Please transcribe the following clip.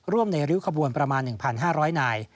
ร่วมในริ้วขบวนประมาณ๑๕๐๐นาย